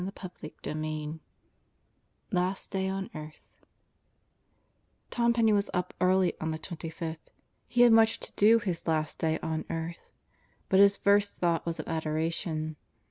CHAPTER THIRTEEN Last Day on Earth TOM PENNEY was up early on the 25th. He had much to do his last day on earth. But his first thought was of adoration.